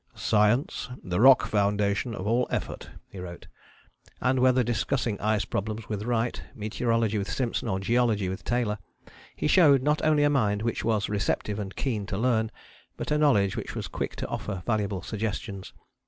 "Science the rock foundation of all effort," he wrote; and whether discussing ice problems with Wright, meteorology with Simpson, or geology with Taylor, he showed not only a mind which was receptive and keen to learn, but a knowledge which was quick to offer valuable suggestions.